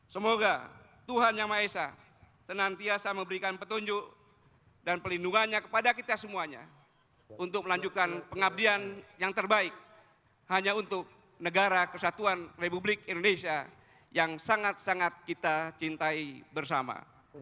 semoga tuhan yang maha esa senantiasa memberikan petunjuk dan pelindungannya kepada kita semuanya untuk melanjutkan pengabdian yang terbaik hanya untuk negara kesatuan republik indonesia yang sangat sangat kita cintai bersama